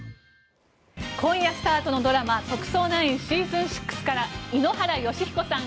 今夜スタートのドラマ「特捜９ｓｅａｓｏｎ６」から井ノ原快彦さん